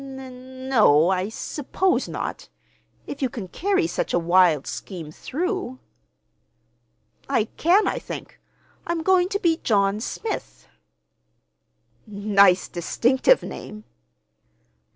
"N—no, I suppose not—if you can carry such a wild scheme through." "I can, I think. I'm going to be John Smith." "Nice distinctive name!"